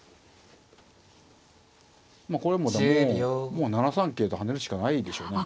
これはもう７三桂と跳ねるしかないでしょうね。